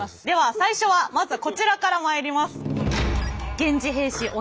では最初はまずこちらからまいります。